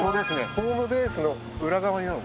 ホームベースの裏側になるんです。